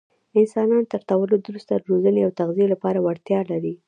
انسانان تر تولد وروسته د روزنې او تغذیې لپاره وړتیا لري.